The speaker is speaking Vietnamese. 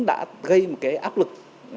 đã gây một cái áp lực